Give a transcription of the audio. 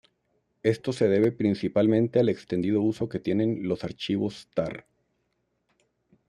Esto se debe principalmente al extendido uso que tienen los "archivos tar".